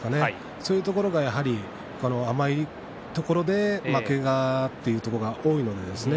そういうところがやはり甘いところで負けがというところが多いんですね。